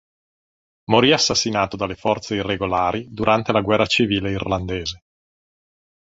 Morì assassinato dalle forze irregolari durante la guerra civile irlandese.